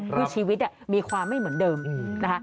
คือชีวิตมีความไม่เหมือนเดิมนะคะ